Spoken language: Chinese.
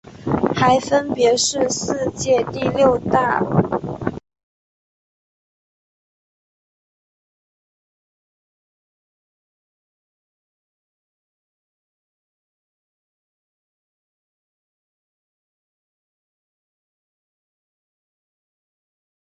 其中三支球队曾和英格兰一起参加过现在已停办的英国本土四角锦标赛。